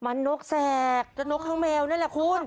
มันนกแสกจนนกข้างแมวนั่นแหละคุณ